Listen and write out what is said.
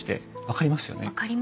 分かりますね。